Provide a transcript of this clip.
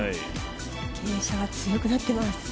傾斜が強くなっています。